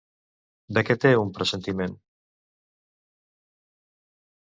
De què té un pressentiment?